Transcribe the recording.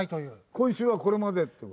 今週はこれまでって事？